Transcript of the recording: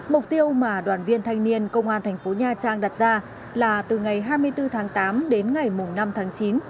mục tiêu mà đoàn viên thanh niên công an thành phố nha trang đặt ra là từ ngày hai mươi bốn tháng tám đến ngày năm tháng chín